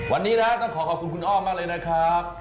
วันนี้นะต้องขอขอบคุณคุณอ้อมมากเลยนะครับ